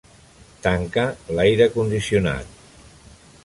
Tanca l'aire condicionat.